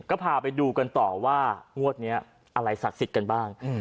ก็พาไปดูกันต่อว่างวดนี้อะไรศักดิ์สิทธิ์กันบ้าง